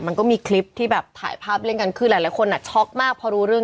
มันก็มีคลิปที่แบบถ่ายภาพเล่นกันคือหลายคนอ่ะช็อกมากพอรู้เรื่อง